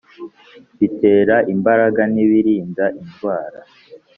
ibitera imbaraga n’ibirinda indwara.